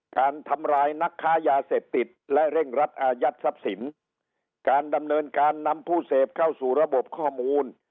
การทำร้ายนักค้ายาเสพติดและเร่งรัดอายัดทรัพย์สินการดำเนินการนำผู้เสพเข้าสู่ระบบข้อมูล